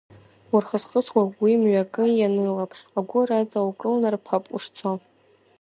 Урхысхысуа уи мҩакы ианылап, агәыр аҵа укылнарԥап ушцо.